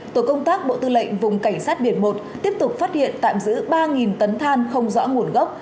tổ công tác bộ tư lệnh vùng cảnh sát biển một tiếp tục phát hiện tạm giữ ba tấn than không rõ nguồn gốc